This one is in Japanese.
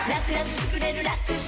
つくれるラクサ